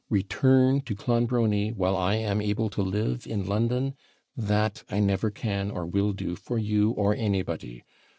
Return to Clonbrony, while I am able to live in London? That I never can or will do for you or anybody!'